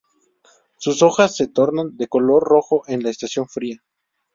Sus hojas se tornan de color rojo en la estación fría.